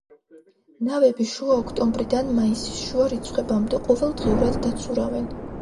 ნავები შუა ოქტომბრიდან მაისის შუა რიცხვებამდე ყოველდღიურად დაცურავენ.